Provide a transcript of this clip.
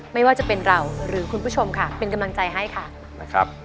ไม่ว่าจะเป็นเราหรือคุณผู้ชมค่ะเป็นกำลังใจให้ค่ะนะครับ